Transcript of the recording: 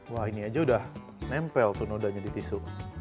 wah ini aja udah nempel tuh nodanya di tisu